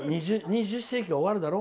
２０世紀が終わるだろ。